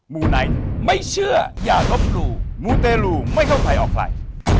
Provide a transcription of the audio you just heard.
มูไนท์ไม่เชื่ออย่าลบหลู่มูเตรลูไม่เข้าใครออกใคร